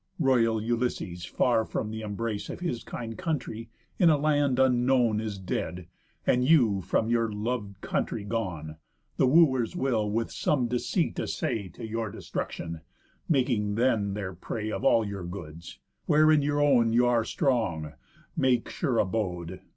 Royal Ulysses, far from the embrace Of his kind country, in a land unknown Is dead; and, you from your lov'd country gone, The Wooers will with some deceit assay To your destruction, making then their prey Of all your goods. Where, in your own y'are strong, Make sure abode.